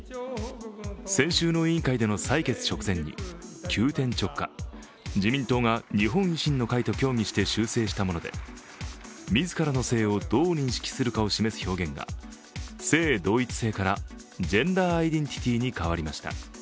先週の委員会での採決直前に急転直下、日本維新の会と協議して修正したもので、自らの性をどう認識するかを示す表現が性同一性からジェンダーアイデンティティに変わりました。